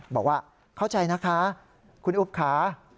บอกว่าเข้าใจนะคะคุณอุ๊บค่ะ